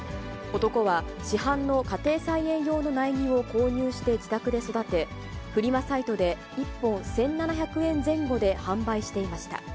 男は市販の家庭菜園用の苗木を購入して自宅で育て、フリマサイトで１本１７００円前後で販売していました。